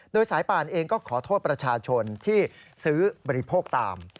โดยสายป่านเองก็ขอโทษประชาชนที่ซื้อบริโภคตาม